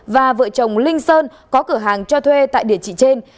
và vợ chồng linh sơn có cửa hàng cho thuê tại địa chỉ trên